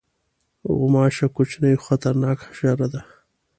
غوماشه کوچنۍ خو خطرناکه حشره ده.